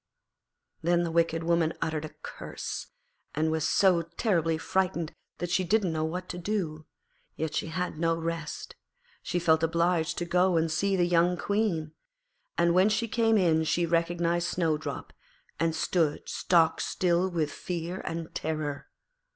Then the wicked woman uttered a curse, and was so terribly frightened that she didn't know what to do. Yet she had no rest: she felt obliged to go and see the young Queen. And when she came in she recognised Snowdrop, and stood stock still with fear and terror.